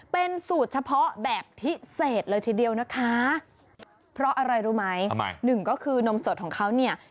เป็นสูตรเฉพาะแบบที่เศษเลยทีเดียวนะคะ